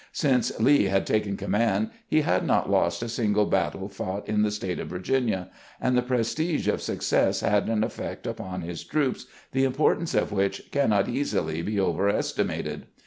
Since Lee had taken command he had not lost a single battle fought in the State of Virginia, and the prestige of success had an effect upon' his troops the importance of which cannot easily be over estimated.